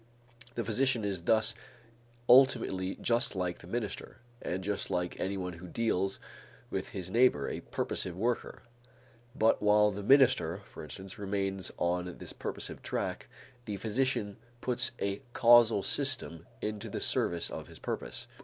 The physician is thus ultimately just like the minister and just like anyone who deals with his neighbor, a purposive worker; but while the minister, for instance, remains on this purposive track, the physician puts a causal system into the service of his purpose.